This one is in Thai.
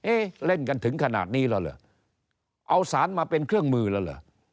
เล่นกันถึงขนาดนี้แล้วเหรอเอาสารมาเป็นเครื่องมือแล้วเหรอ